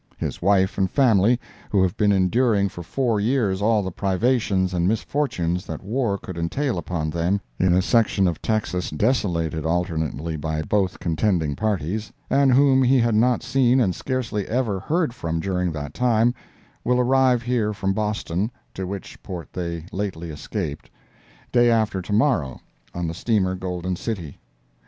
His wife and family, who have been enduring for four years all the privations and misfortunes that war could entail upon them in a section of Texas desolated alternately by both contending parties, and whom he had not seen and scarcely ever heard from during that time, will arrive here from Boston, (to which port they lately escaped,) day after to morrow, on the steamer Golden City.